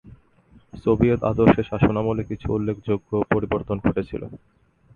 Soviet আদর্শের শাসনামলে কিছু উল্লেখযোগ্য পরিবর্তন ঘটেছিল।